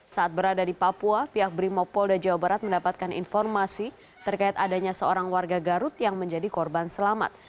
saat berada di papua pihak brimopolda jawa barat mendapatkan informasi terkait adanya seorang warga garut yang menjadi korban selamat